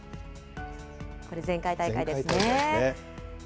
これ、前回大会ですね。